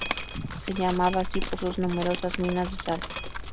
Se llamaba así por sus numerosa minas de sal.